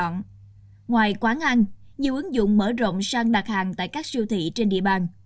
ngoài quán ăn nhiều ứng dụng mở rộng sang đặt hàng tại các siêu thị trên địa bàn